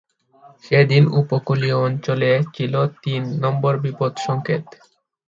সেদিন উপকূলীয় অঞ্চলে ছিল তিন নম্বর বিপদ সংকেত।